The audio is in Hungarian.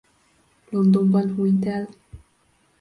Londonban hunyt el.